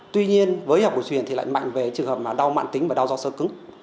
tuy nhiên với y học cổ truyền thì lại mạnh về trường hợp mà đau mạn tính và đau do sơ cứng